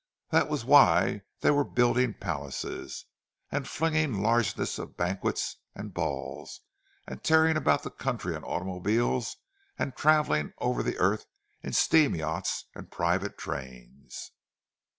That was why they were building palaces, and flinging largesses of banquets and balls, and tearing about the country in automobiles, and travelling over the earth in steam yachts and private trains.